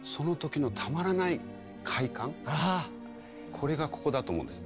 これがここだと思うんですね。